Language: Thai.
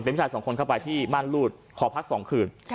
เป็นผู้ชายสองคนเข้าไปที่ม่านรูดขอพัก๒คืน